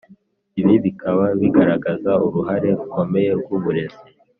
ibi bikaba bigaragaza uruhare rukomeye rw'uburezi